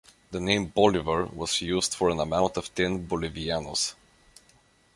The name "bolivar" was used for an amount of ten bolivianos.